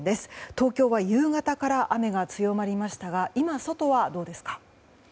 東京は夕方から雨が強まりましたが今、外はどうですか。